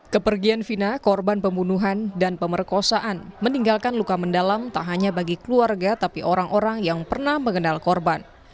kepergian vina korban pembunuhan dan pemerkosaan meninggalkan luka mendalam tak hanya bagi keluarga tapi orang orang yang pernah mengenal korban